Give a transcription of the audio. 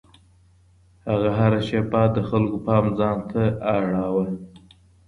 هغه هره شېبه د خلکو پام ځان ته اړاوه.